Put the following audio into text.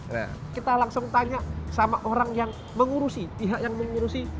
nah kita langsung tanya sama orang yang mengurusi pihak yang mengurusi